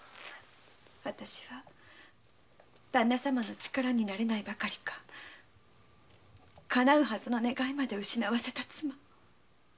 私は旦那様の力になれないばかりかかなうはずの願いまで失わせた妻。